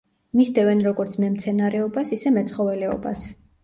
მისდევენ როგორც მემცენარეობას, ისე მეცხოველეობას.